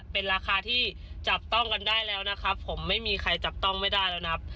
เป็นราคาที่จับต้องกันได้แล้วนะครับผมไม่มีใครจับต้องไม่ได้แล้วนะครับ